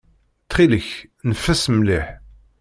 Ttxil-k, neffes mliḥ.